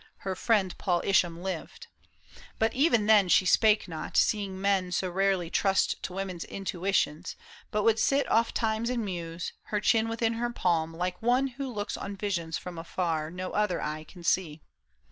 Her friend Paul Isham lived. But even then She spake not, seeing men so rarely trust To woman's intuitions, but would sit Ofttimes and muse, her chin within her palm, Like one who looks on visions from afar, No other eye can see.